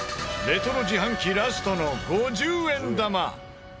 レトロ自販機ラストの５０円玉。